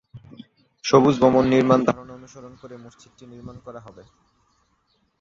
সবুজ ভবন নির্মাণ ধারণা অনুসরণ করে মসজিদটি নির্মাণ করা হবে।